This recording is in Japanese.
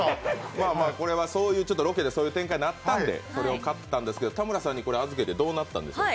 まあまあ、ロケでそういう展開になったので、これを買ったんですけど田村さんに預けてどうなったんでしょうか？